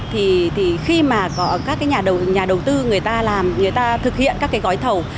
thì khi mà có các nhà đầu tư người ta làm người ta thực hiện các cái gói thầu